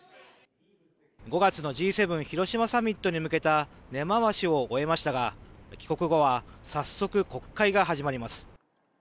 ５月のＧ７広島サミットに向けた根回しを終えましたが帰国後は早速国会が始まります。